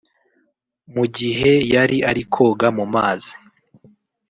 Mu gihe yari ari koga mu mazi